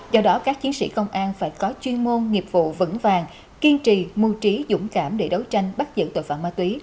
do đó các chiến sĩ công an phải có chuyên môn nghiệp vụ vững vàng kiên trì mưu trí dũng cảm để đấu tranh bắt giữ tội phạm ma túy